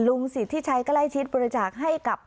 ลุงศิษฐิชัยก็ไล่ชิดบริจาคให้กับ